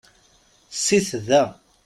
Sit da.